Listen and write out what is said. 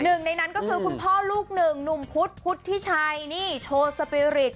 หนึ่งในนั้นก็คือคุณพ่อลูกหนึ่งหนุ่มพุธพุทธิชัยนี่โชว์สปีริต